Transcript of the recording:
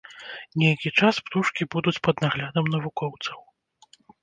Нейкі час птушкі будуць пад наглядам навукоўцаў.